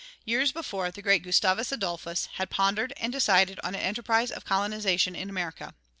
Years before, the great Gustavus Adolphus had pondered and decided on an enterprise of colonization in America.